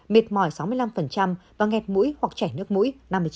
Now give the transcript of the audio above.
mệt mỏi sáu mươi năm và nghẹt mũi hoặc chảy nước mũi năm mươi chín